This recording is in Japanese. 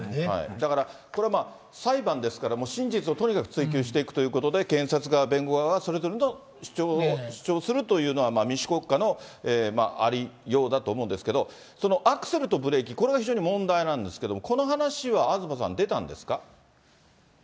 だから、これ、裁判ですから、真実をとにかく追及していくということで、検察側、弁護側がそれぞれの主張をするというのは、民主国家のありようだと思うんですけど、そのアクセルとブレーキ、これが非常に問題なんですけれども、この話は東さん、出たんですか？